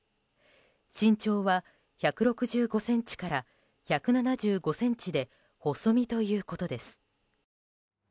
身長は１６５ｃｍから１７５ｃｍで細身ということです。